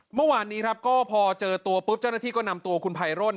เมื่อวานนี้ครับก็พอเจอตัวปุ๊บเจ้าหน้าที่ก็นำตัวคุณไพโร่